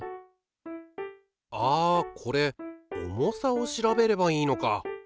あこれ重さを調べればいいのか！